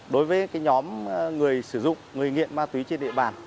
đối với nhóm người sử dụng người nghiện ma túy trên địa bàn